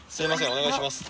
お願いします。